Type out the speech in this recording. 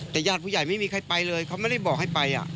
แต่ญาติผู้ใหญ่ไม่มีใครไปเลยเขาไม่ได้บอกให้ไป